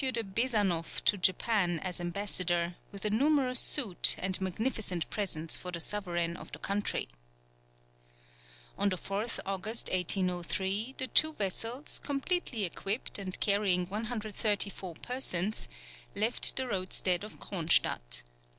de Besanoff to Japan as ambassador, with a numerous suite, and magnificent presents for the sovereign of the country. On the 4th August, 1803, the two vessels, completely equipped, and carrying 134 persons, left the roadstead of Cronstadt.